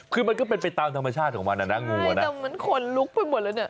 คือมันก็เป็นไปตามธรรมชาติออกมานะนางงูนะใช่แต่มันขนลุกไปหมดแล้วเนี่ย